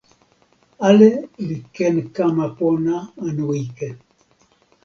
ale li ken kama pona anu ike.